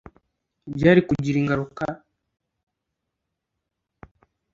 byari kugira ingaruka yo kurimbuka kwa Yerusalemu;